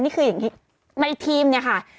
ในทีมเนี่ยค่ะ